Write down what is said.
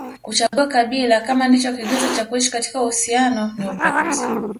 Kuchagua kabila kama ndicho kigezo cha kuishi katika uhusiano ni ubaguzi